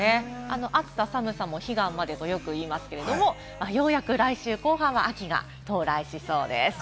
暑さ寒さも彼岸までとよく言いますけれども、ようやく来週後半は秋が到来しそうです。